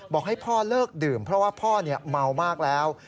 บอกให้พ่อเลิกดื่มเพราะว่าพ่อเมามากแล้ว